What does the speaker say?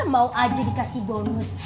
mau aja dikasih bonus